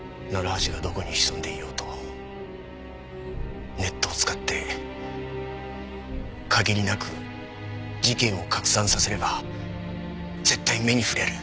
楢橋がどこに潜んでいようとネットを使って限りなく事件を拡散させれば絶対目に触れる。